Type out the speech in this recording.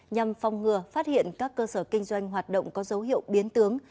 nhằm phong ngừa phát hiện các cơ sở kinh doanh hoạt động có dấu hiệu biến tướng